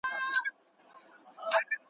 لا هنوز لرم يو لاس او يوه سترگه.